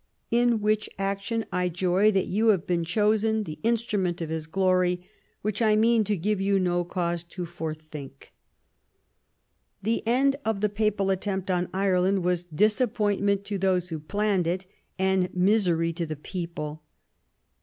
In which action I joy that you have been chosen the instrument of His glory, which I mean to give you no cause to forethink." The end of the Papal attempt on Ireland was disappointment to those who planned it, and misery to the people.